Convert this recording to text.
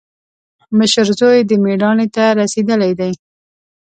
مشر زوی دې مېړانې ته رسېدلی دی.